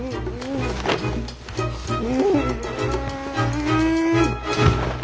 うん！